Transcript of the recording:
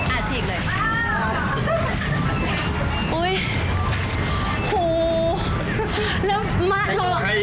อ่าฉีกเลย